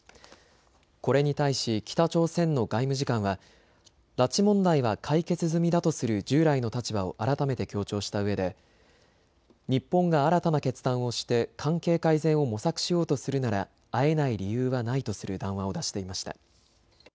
これに対し北朝鮮の外務次官は拉致問題は解決済みだとする従来の立場を改めて強調したうえで日本が新たな決断をして関係改善を模索しようとするなら会えない理由はないとする談話を出していました。